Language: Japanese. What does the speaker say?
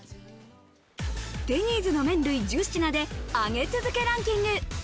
デニーズの麺類１０品で上げ続けランキング。